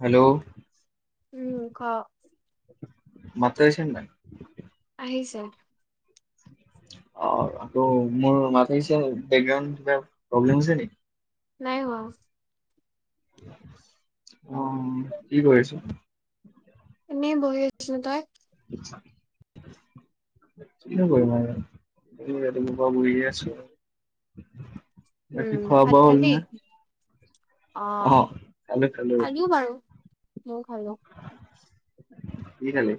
Hello? উম, ক? মাতটো আহিছে নে নাই? আহিছে। অ', ত মোৰ মাত আহিছে, বেকৰাউণ্ড কিবা প্ৰব্লেম দিছে নেকি? নাই হোৱা। উম, কি কৰিছ? এনেই বহি আছিলোঁ, তই? [unintelligible] কিনো কৰিম আৰু এনেই ৰাতিপুৱা পৰা বহিয়ে আছোঁ আৰু। উম বাকী খোৱা ভাত বোৱা হল খালি নে? অ', খালো খালো। খালোঁ বাৰু, মইও খালোঁ। কি খালি?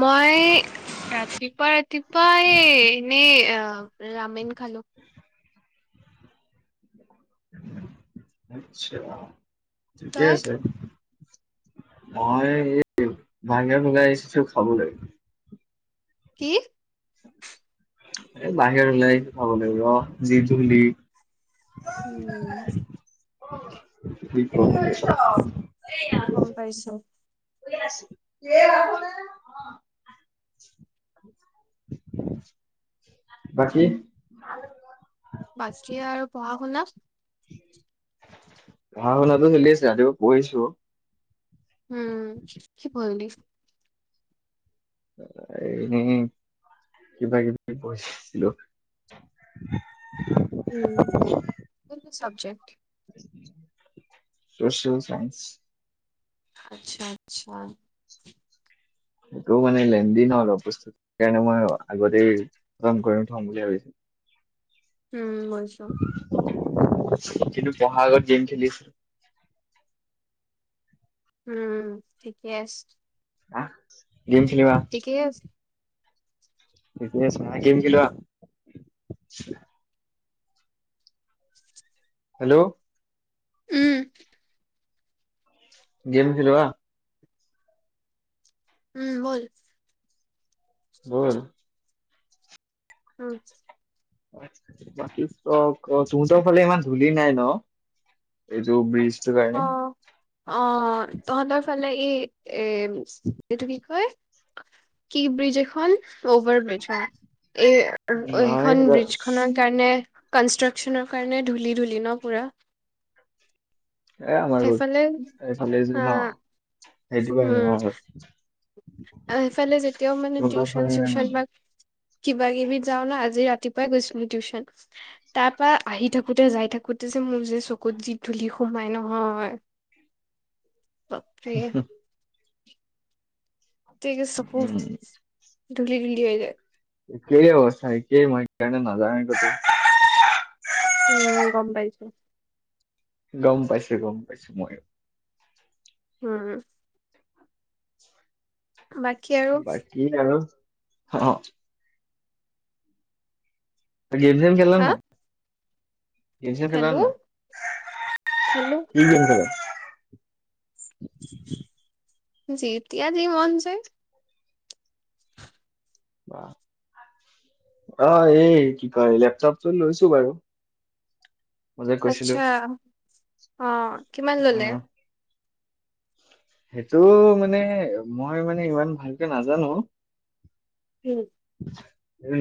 মই ৰাতিপুৱা-ৰাতিপুৱা এই এনেই অ', ৰামেন খালোঁ। আচ্ছা, ঠিকে তই আছে। মই এই বাহিৰত ওলাই আহিছোঁ খাবলৈ। কি? এ বাহিৰত ওলাই আহিছোঁ খাবলে ৰ যি [unintelligible] উম। [unintelligible] কি কৰিছ? এই গম পাইছোঁ। [unintelligible] বাকী? বাকী আৰু পঢ়া শুনা? পঢ়া শুনাটো চলি আছে, ৰাতিপুৱা পঢ়িছোঁ। উম, কি পঢ়িলি? এনেই কিবা কিবি পঢ়িছিলোঁ। [unintelligible] উম, কোনটো চাব্জেক্ট? Social science. আচ্ছা-আচ্ছা। সেইটো মানে লেনদি ন অলপ বস্তুটো? সেইকাৰণে মই আগতেই খতম কৰি থম বুলি ভাবিছোঁ। উম মচ কিন্তু পঢ়া আাগত গেম খেলি আছিলোঁ। উম, ঠিকে আছে। গেম খেলিম আহ। ঠিকে আছে। ঠিকে আছে, আহ গেম খেলো আহ। হেল্ল'? উম গেম খেলো আহ। উম, বল। বল উম। [unintelligible] তহঁতৰ ফালে ইমান ধূলি নাই ন? এইটো ব্ৰিজ টোৰ কাৰনে? অ', অ', তহঁতৰ ফালে এই, এ-এইটো কি কয়? কি ব্ৰিজ এখন? অভাৰ ব্ৰিজ অ', এই এইখন ব্ৰিজ খনৰ সেকাৰণে কনষ্ট্ৰাকচনৰ কাৰণে ধূলি-ধূলি ন পুৰা? এই আমাৰ সেইফালে [unintelligible] এইফালে যে অ ন? সেইটো পা এনেকোৱা হয়। আৰু সেফালে যেতিয়াও মানে তহঁতৰ ফালে টিউচন ইমান চিউচন বা কিবা কিবি যাওঁ ন? আজি ৰাতিপুৱাই গৈছিলোঁ টিউচন। তাৰপা আহি থাকোতে যাই থাকোতে যে মোৰ যে চকুত যি ধূলি সোমাই নহয়। উম [inaudible] বাপৰে। [unintelligible] চকু, উম ধুলি-ধুলি হৈ যায়। [unintelligible] অৱস্থা একেই মই সেকাৰণে নেযাওঁ কতো। উম, গম পাইছোঁ। গম পাইছোঁ-গম পাইছোঁ মই। উম। বাকী আৰু? কি আৰু, অ'। গেম চেম খেল হা নাই? গেম চেম খেল খেলো নাই? খেলো কি গেম খেল? যেতিয়া যি মন যাই। অ', এই কি কয় লেপটপটো লৈছোঁ বাৰু। মই যে কৈছিলো আচ্ছা অ', কিমান অ ললে? সেইটো মানে মই মানে ইমান ভালকে নাজানোঁ। উম।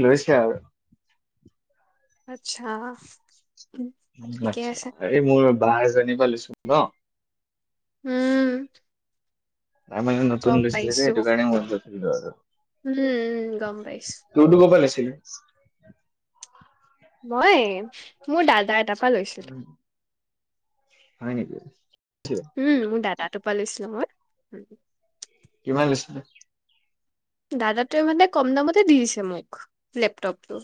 লৈছে আৰু। আচ্ছা। উম, উন ঠিকে আচ্ছা। আছে এই মোৰ বাহ এজনি পৰা লৈছোঁ ন? উম। তাই মানে নতুন গম লৈছিলে যে সেইটো কাৰণে মই লৈ থৈ দিলোঁ আৰু। উম-উম, গম পাইছোঁ। তো টো কৰ‌ পৰা লৈছিলি? মই, মোৰ দাদা এটাৰ পৰা লৈছিলোঁ। উম, হয় নেকি? [unintelligible] উম, মোৰ দাদাটো পৰা লৈছিলোঁ মই। কিমান লৈছিলে? দাদাটোৱে মানে কম দামতে দি দিছে মোক, লেপটপটো।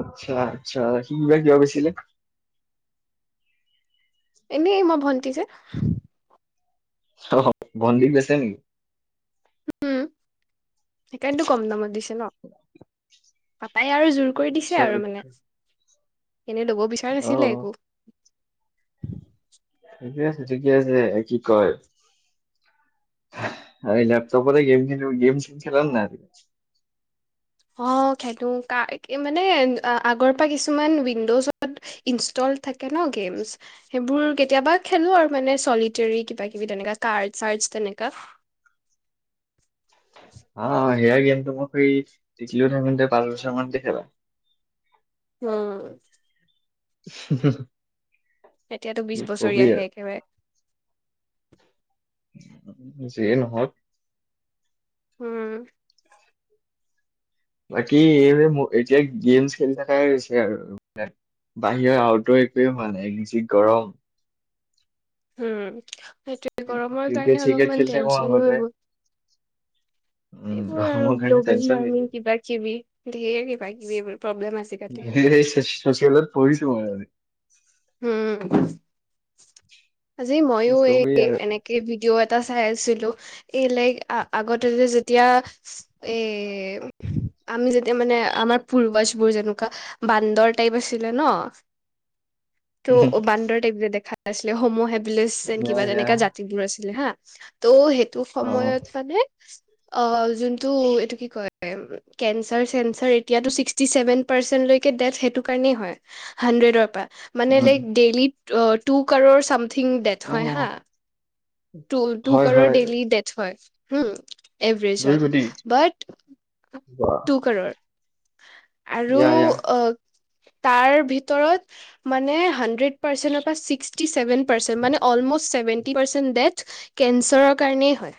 আচ্ছা-আচ্ছা। সি বা কিয় বেচিলে? এনেই মই ভনটি যে। অ', সহ, ভন্টিক গৈছে নেকি? সেইকাৰণোটো কম দামত দিছে ন? পাপাই আৰু জোৰ কৰি দিছে আৰু আচ্ছা মানে। এনে লব বিচৰা অ নাছিলে একো। ঠিকে আছে-ঠিকে আছে, কি কয়? এই লেপটপতে গেম-গেম চেম খেল নাই? অ', খেলোঁ কা মানে আ আগৰ পৰা কিছুমান উইণ্ডোচত ইনষ্টলদ থাকে ন গেমচ? সেইবোৰ কেতিয়াবা খেলোঁ আৰু মানে চলিটৰী কিবা কিবি তেনেকা কাৰ্ডছ-চাৰ্ডছ তেনেকা। অ', এয়াৰ গেমটো মই [unintelligible] টিকলিও থাকোতে পাঁচ বছৰ মানতে খেলা। উম। হুম-হুম। এতিয়াতো বিশ বছৰীয়া হে একেবাৰে। যিয়ে নহওঁক। উম। বাকী এই এতিয়া গেমচ খেলি থাকাই হৈছে আৰু। বাহিৰৰ আউটৰ একোৱেইে হোৱা নাই যি গৰম। উম, সেইটোয়ে গৰমৰ ক্ৰিকেট কাৰণে চিকেট অলপমান খেলি থাকো টেনচন আগতে হৈ গল। উম এইবোৰ আৰু গৰমৰ কাৰণে গ্ল'বেল টেনচন ৱাৰ্মিং কিবা কিবি ধেৰ কিবা কিবি এইবোৰ প্ৰব্লেম আছে তাতে। সেই‌ চচি চছিয়েলত পঢ়িছোঁ মই মানে। উম। আজি কি মইও এই কবি আৰু এনেক ভিডিঅ' এটা চাই আছিলোঁ, এই লাইক আগতে যে যেতিয়া এ আমি যেতিয়া মানে আমাৰ পূৰ্বস বোৰ যেনেকুৱা বান্দৰ টাইপ আছিলে ন? [inaudible] ত' বান্দৰ টাইপ দেখা আছিলে, হোমো হেবেলিচ এন ইয়া কিবা ইয়া তেনেকা জাতিবোৰ আছিলে হা। ত' সেইটো অ সময়ত মানে অ, যোনটো এইটো কি কয়? কেন চাৰ চেন তাৰ এতিয়ো ছিকটিচেভেন পাৰ্চেন্ট লকে ডেথ্ সেইটো কাৰণেই হয়। হাড্ৰেডৰ পৰা। মানে উম লাইক ডেইলি টু কাৰৰ চাম কিং ডেত অ হয় হা, টু হয় কাৰৰ হয় ডেইলি টেছ হয়। হম? এভৰেছত, বাট বা। ক'ৰৰ। আৰু য়া অ, তাৰ ভিতৰত মানে হাণ্ড্ৰেড পাৰ্চেণ্টৰ পৰা চিষ্টি ছেভেন পাৰ্চণ্ট মানে অলমষ্ট ছেভেনটি পাৰ্চেণ্ট ডেথ্ কেঞ্চাৰৰ কাৰণেই হয়।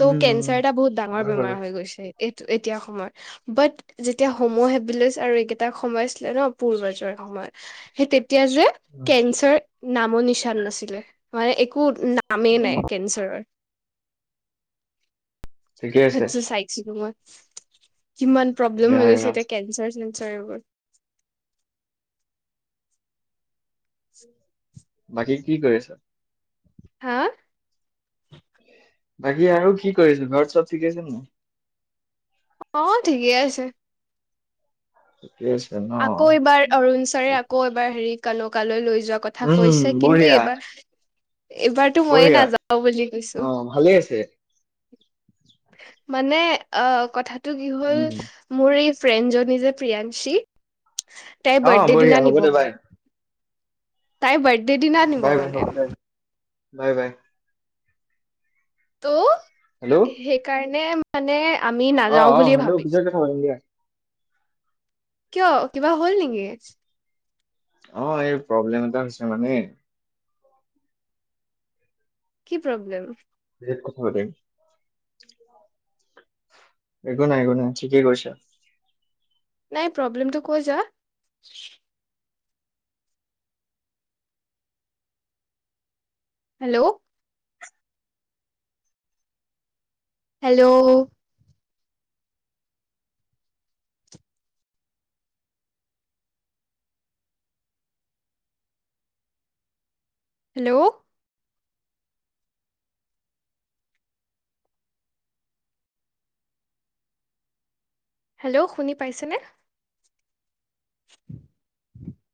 ত' উম। কেঞ্চাৰ এটা বহুত ডাঙৰ ভাল বাৰু বেমাৰ হৈ গৈছে এইটো এতিয়া সময়ত। বাট যেতিয়া স'ম হেবিলচ আৰু এইকেইটা স'ম আছিলে ন পূৰ্বজৰ সময়ত সেই তেতিয়া যে উম, কেঞ্চাৰ নামৰ নিচান নাছিলে, মানে একো নামেই নাই কেঞ্চাৰৰ। ঠিকে আছে হেতু চাইছিলোঁ মই কিমান প্ৰব্লেম য়া হৈ গৈছে য়া এতিয়া কেঞ্চাৰ চেঞ্চাৰ এইবোৰ। বাকী কি কৰি আছা? হা? বাকী আৰু কি কৰিছে, ঘৰত চব ঠিক আছে নাই? অ', ঠিকে আছে। ঠিকে আছে। ন আকৌ এইবাৰ অৰুণচাৰে আকৌ এবাৰ হেৰি [unintelligible] লৈ যুৱক। কথা উম কৈছে কিন্তু বঢ়িয়া এইবাৰ-এইবাৰ বঢ়িয়া। অ', ভালে আছে। মানে অ', কথাটো কি হ'ল উম মোৰ এই ফ্ৰেণ্ডজনী যে প্ৰিয়াংশী? তাইৰ অ বাৰ্থডে বঢ়িয়া দিনা হ'ব নিব দে বাই বুলে। তাইৰ বাৰ্থডে দিনা নিব বাই-বাই মানে হ'ব দে বাই-বাই। ত হেল্ল'? সেইকাৰণে মানে আমি অ নাযাও অ বুলিয়ে হেল্ল' পিছত ভাবিছোঁ। কথা পাতিম দিয়া কিয়, কিবা হ'ল নেকি? অ', এই প্ৰব্লেম এটা হৈছে মানে। কি প্ৰব্লেম? পিছত কথা পাতিম। একো নাই-একো নাই, ঠিকেই কৈছা। নাই প্ৰব্লেমটো কৈ যা? হেল্ল'? হেল্ল'? হেল্ল'? হেল্ল', শুনি পাইছেনে। [inaudible]